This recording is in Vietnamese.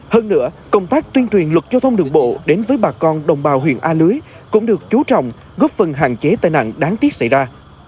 hơn nữa công tác tuyên truyền luật giao thông đường bộ đến với bà con đồng bào huyện a lưới cũng được chú trọng góp phần hạn chế tai nạn đáng tiếc xảy ra